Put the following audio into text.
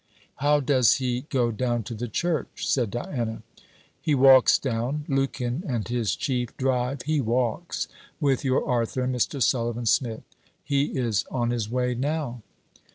'How does he go down to the church?' said Diana. 'He walks down. Lukin and his Chief drive. He walks, with your Arthur and Mr. Sullivan Smith. He is on his way now.'